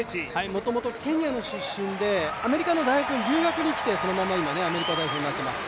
もともとケニアの出身でアメリカの大学に留学にきてそのままアメリカで踏ん張っています。